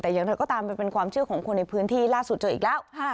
แต่อย่างไรก็ตามมันเป็นความเชื่อของคนในพื้นที่ล่าสุดเจออีกแล้ว